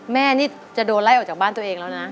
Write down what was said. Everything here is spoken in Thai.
แม่นี่จะโดนไล่ออกจากบ้านตัวเองแล้วนะ